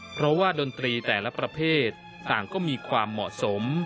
เพราะว่าดนตรีแต่ละประเภทต่างก็มีความเหมาะสม